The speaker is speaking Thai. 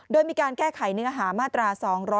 โดยมีการแก้ไขเนื้อหามาตรา๒๗